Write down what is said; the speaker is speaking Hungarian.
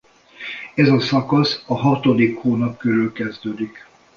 Ez a szakasz a hatodik hónap körül kezdődik.